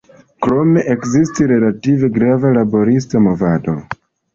Krome, ekzistis relative grava laborista movado.